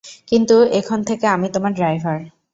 কিন্তু এখন থেকে আমি তোমার ড্রাইভার।